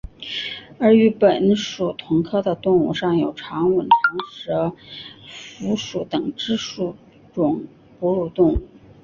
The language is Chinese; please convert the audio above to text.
而与本属同科的动物尚有长吻长舌蝠属等之数种哺乳动物。